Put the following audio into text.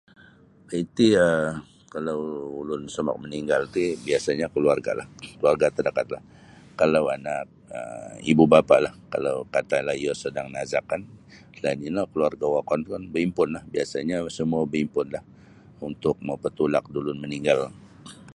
Iti um kalau ulun mosomok maninggal ti biasanyo kaluargalah kaluarga terdekatlah. Kalau anak um ibu bapalah kalau katalah iyo sadang nazak kan salain ino kaluarga wokon pun baimpunlah biasanyo samua baimpunlah untuk mapatulak da ulun maninggal.